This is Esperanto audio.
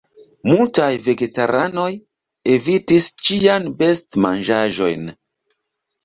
Malmultaj vegetaranoj evitis ĉiajn best-manĝaĵojn.